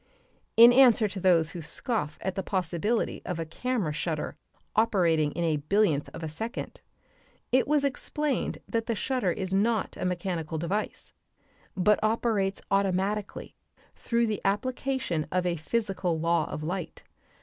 In answer to those who scoff at the possibility of a camera shutter operating in a billionth of a second, it was explained that the shutter is not a mechanical device, but operates automatically through the application of a physical law of light.